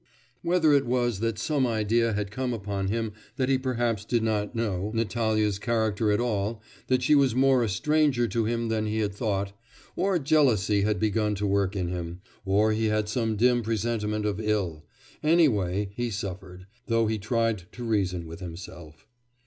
Whether it was that some idea had come upon him that he perhaps did not know Natalya's character at all that she was more a stranger to him than he had thought, or jealousy had begun to work in him, or he had some dim presentiment of ill... anyway, he suffered, though he tried to reason with himself.